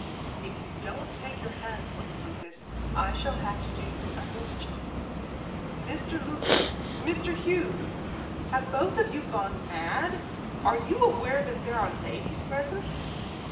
"If you don't take your hands away, Lucas, I shall have to do you a mischief." "Mr. Lucas! Mr. Hughes! Have you both of you gone mad? Are you aware that there are ladies present?"